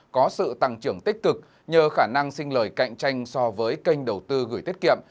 có sự tăng trưởng tích cực nhờ khả năng xin lời cạnh tranh so với kênh đầu tư gửi tiết kiệm